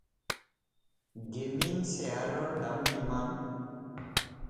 Gaming চেয়াৰৰ দাম কিমান?